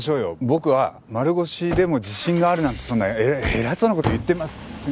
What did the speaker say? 僕は丸腰でも自信があるなんてそんな偉そうな事言ってません。